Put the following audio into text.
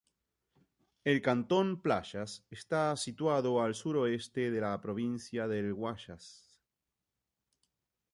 El cantón Playas está situado al suroeste de la provincia del Guayas.